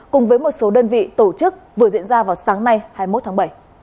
cùng với một số đơn vị tổ chức vừa diễn ra vào sáng nay hai mươi một tháng bảy